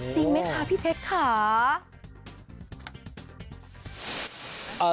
จริงไหมคะพี่เพชจ้า